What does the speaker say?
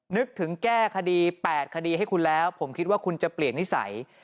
นึกถึงแก้คดี๘คดีให้คุณแล้วผมคิดว่าคุณจะเปลี่ยนนิสัย